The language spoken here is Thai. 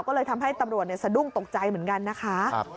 ก็เลยทำให้ตำรวจสะดุ้งตกใจเหมือนกันนะคะ